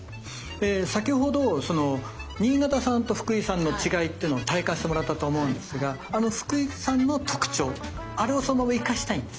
先ほど新潟産と福井産の違いっていうのを体感してもらったと思うんですがあの福井産の特徴あれをそのまま生かしたいんですね。